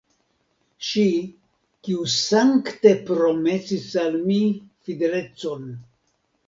Ŝi, kiu sankte promesis al mi fidelecon!